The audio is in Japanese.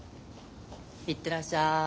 行ってらっしゃい！